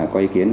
có ý kiến